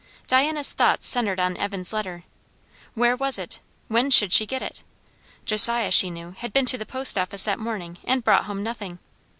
Diana's thoughts centred on Evan's letter. Where was it? When should she get it? Josiah, she knew, had been to the post office that morning, and brought home nothing!